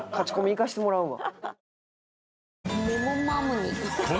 行かせてもらうわ。